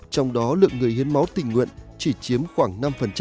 trong đó lượng người hiến máu tình nguyện chỉ chiếm khoảng năm